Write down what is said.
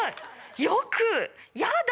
よくやだ！